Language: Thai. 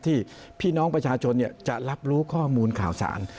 พี่น้องประชาชนจะรับรู้ข้อมูลข่าวสาร